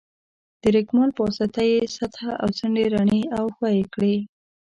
د رېګمال په واسطه یې سطحه او څنډې رڼې او ښوي کړئ.